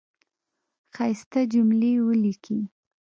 ښایسته جملی ولیکی